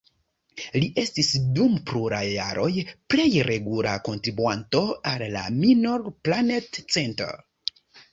Li estis dum pluraj jaroj plej regula kontribuanto al la Minor Planet Center.